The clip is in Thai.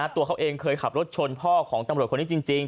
ตัวเขาเองเคยขับรถชนพ่อของตำรวจคนนี้จริง